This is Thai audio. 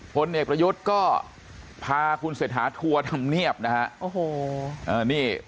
ผลเอกประยุทธ์ก็พาคุณเศรษฐาทัวร์ทำเนียบนะฮะ